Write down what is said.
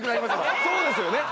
そうですよね。